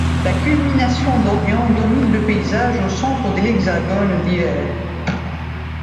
La culmination d'Orion domine le paysage, au centre de l'hexagone d'hiver.